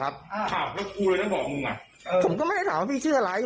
แต่อาทิตย์ดีบริหารอยู่ครับ